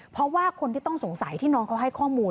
เพราะว่าคนที่ต้องสงสัยที่น้องเขาให้ข้อมูล